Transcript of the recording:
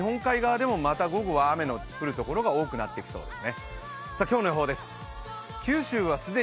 西日本の日本海側でもまた午後は雨の降るところが多くなってきそうです。